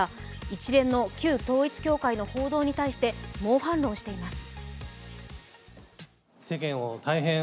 一連の旧統一教会の報道に対して猛反論しています。